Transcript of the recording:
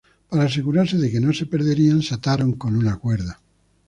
Para asegurarse de que no se perderían, se ataron con una cuerda.